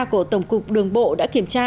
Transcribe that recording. của tổng cục đường bộ đã kiểm tra